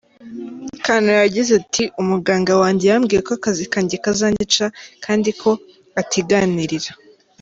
Cannon yagize ati :”Umuganga wanjye yambwiye ko akazi kanjye kazanyica kandi ko atiganirira.